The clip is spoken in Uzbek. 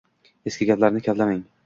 Eski gaplarni kavlamang.